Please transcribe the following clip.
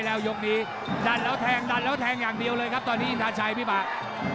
แล้วยกนี้ดันแล้วแทงดันแล้วแทงอย่างเดียวเลยครับตอนนี้อินทาชัยพี่บาท